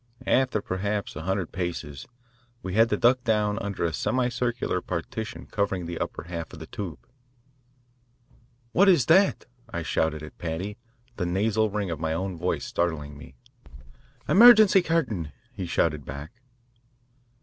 After perhaps a hundred paces we had to duck down under a semicircular partition covering the upper half of the tube. "What is that?" I shouted at Paddy, the nasal ring of my own voice startling me. "Emergency curtain," he shouted back.